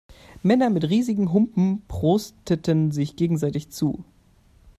Männer mit riesigen Humpen prosteten sich gegenseitig zu.